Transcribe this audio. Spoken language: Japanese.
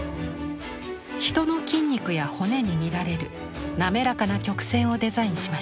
人の筋肉や骨に見られる滑らかな曲線をデザインしました。